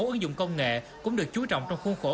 ứng dụng công nghệ cũng được chú trọng trong khuôn khổ